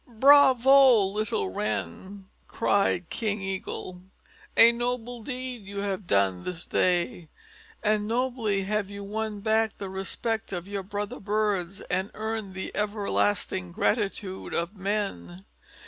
"Bravo! little Wren," cried King Eagle. "A noble deed you have done this day, and nobly have you won back the respect of your brother birds and earned the everlasting gratitude of men.